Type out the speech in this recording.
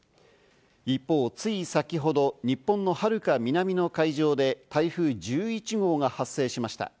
一方、つい先ほど日本のはるか南の海上で、台風１１号が発生しました。